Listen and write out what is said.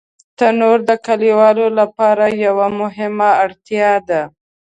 تنور د کلیوالو لپاره یوه مهمه اړتیا ده